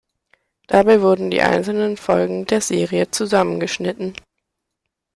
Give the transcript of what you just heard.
Dabei wurden die einzelnen Folgen der Serie zusammengeschnitten.